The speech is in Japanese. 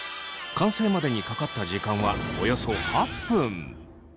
完成までにかかった時間はおよそ８分。